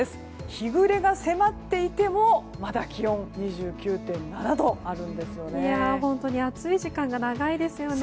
日暮れが迫っていてもまだ気温２９．７度あるんですよね。